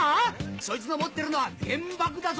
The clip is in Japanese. そいつの持ってるのは原爆だぞ！